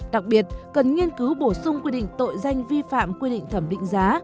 đặc biệt cần nghiên cứu bổ sung quy định tội danh vi phạm quy định thẩm định giá